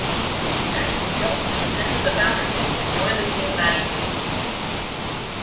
Max Geldner attended the founders meeting and joined the team that evening.